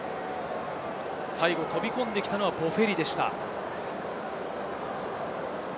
最後、飛び込んできたのはボフェリでした。